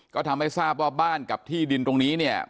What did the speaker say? ก็ทำให้ทราบว่าบ้านกับที่ดินตรงนี้เนี่ย